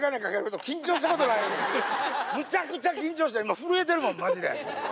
むちゃくちゃ緊張した今震えてるもんマジで。